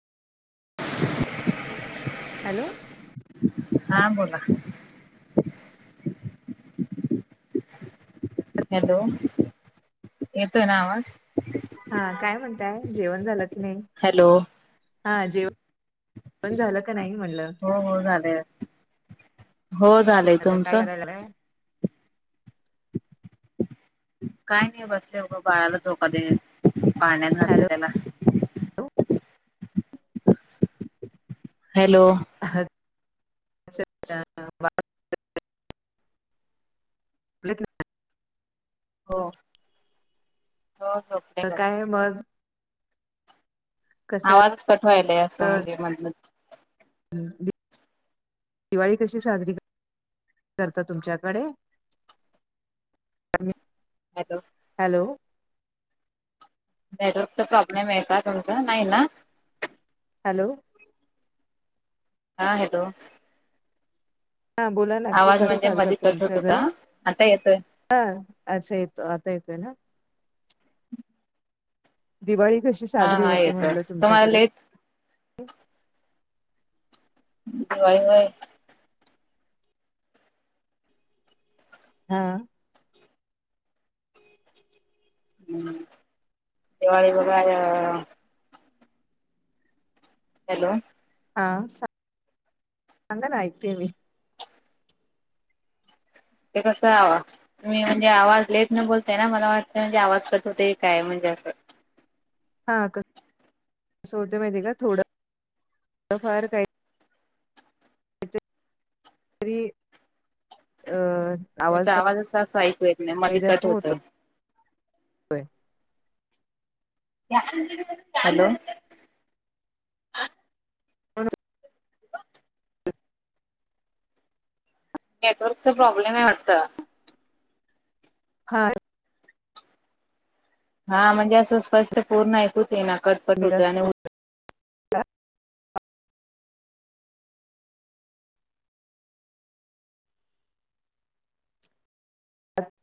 [unintelligible] Hello हा बोला hello येतोय ना आवाज हा काय म्हणताय जेवण झालं की नाय. हॅलो हा जेव [inaudible] ण झालं का नाही म्हणलं हो हो झाले. हो झालंय अच्छा काय तुमचं करायला लागलाय काय नाय बसले बघा बाळाला झोका देत पाळण्यात घातल हॅलो त्याला हॅलो [inaudible] [inaudible] हो हो झोप त काय मग कसं आवाज कट व्हायलाय असं म्हणजे मधनच [unintelligible] दिवाळी कशी साजरी करता तुमच्याकडे [unintelligible] हॅलो हॅलो नेटवर्कचा प्रॉब्लेम आहे का तुमचा नाही ना हॅलो हा हॅलो ह बोला ना आवाज कसे म्हणजे साद मधी करता कट होत तुमच्या होता घरी आता येतोय हा अच्छा येतो आता येतोय ना दिवाळी कशी हा साजरी हा होते येतोय म्हणलं तुम्हाला तुमच्याकडे लेट दिवाळी व्हय हा [inaudible] हम्म दिवाळी वगार हॅलो हा सांग -सांगा ना ऐकते मी ते कसं आवा तुम्ही म्हणजे आवाज लेट न बोलताय ना मला वाटतंय म्हणजे आवाज कट होतय क काय म्हणजे असं हा क [inaudible] सं होतय माहिती का थोडं [inaudible] फार काही [inaudible] री अ आवाज तुमचा आवाजच असं ऐकू येत नाय मधी जास्त कट होतो. होतोय हॅलो नेटवर्कच प्रॉब्लेम आहे वाटतं. हा. हा म्हणजे असं स्पष्ट पूर्ण ऐकूच येना कटपट कमी होत जास्त आणि